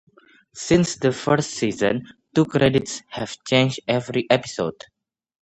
Since the first season, two credits have changed every episode.